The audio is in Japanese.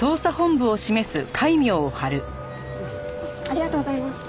ありがとうございます。